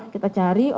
kita cari obatnya